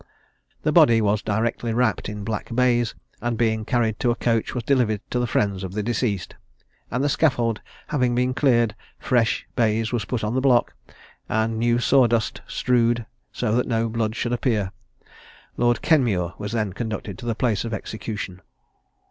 The body was directly wrapped in black baize, and being carried to a coach, was delivered to the friends of the deceased: and the scaffold having been cleared, fresh baize was put on the block, and new saw dust strewed, so that no blood should appear. Lord Kenmure was then conducted to the place of execution.